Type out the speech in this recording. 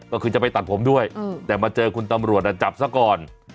ก็คือจะไปตัดผมด้วยแต่มาเจอคุณตำรวจจับซะก่อน